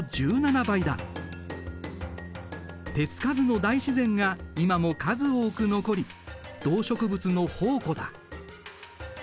手付かずの大自然が今も数多く残り動植物の宝庫だ。